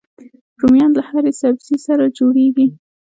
رومیان له هرې سبزي سره جوړيږي